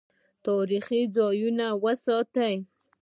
تاریخي ځایونه وساتئ